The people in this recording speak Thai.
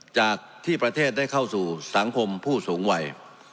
จากที่ประเทศได้เข้าสู่สังคมผู้สูงวัย